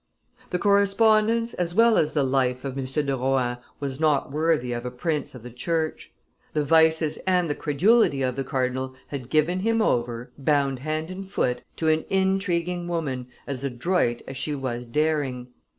The correspondence as well as the life of M. de Rohan was not worthy of a prince of the church: the vices and the credulity of the cardinal had given him over, bound hand and foot, to an intriguing woman as adroit as she was daring.